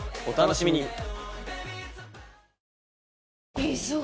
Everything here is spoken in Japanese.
お楽しみに！